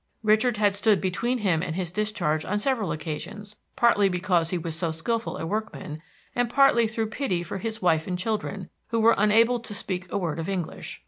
Richard had stood between him and his discharge on several occasions, partly because he was so skillful a workman, and partly through pity for his wife and children, who were unable to speak a word of English.